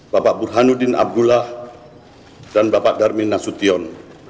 bapak burhanuddin abdullah dan bapak darmin nasution